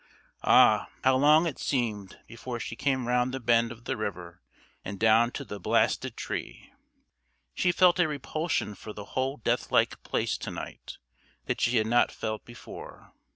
Ah! how long it seemed before she came round the bend of the river and down to the blasted tree. She felt a repulsion for the whole death like place to night that she had not felt before.